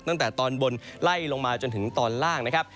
ตั้งแต่ตอนบนไล่ลงมาจนถึงตอนล่างนะครับ